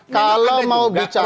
kalau mau bicara